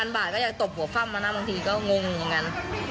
๔๐๐๐บาทก็ยังตบหัวฟั่มมานานบางทีก็งงเหมือนกัน